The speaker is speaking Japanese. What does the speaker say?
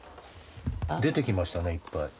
出てきましたねいっぱい。